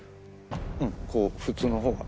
こう普通の方が。